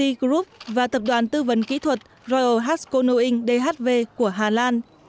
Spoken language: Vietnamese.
ttc group và tập đoàn tư vấn kỹ thuật royal hasko noing dhv của hà lan